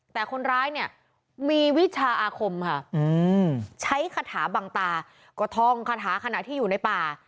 แต่คนร้ายเนี่ยมีวิชาอาคมค่ะใช้คาถาบังตาก็ท่องคาถาขณะที่อยู่ในป่า